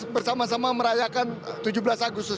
bersama sama merayakan tujuh belas agustus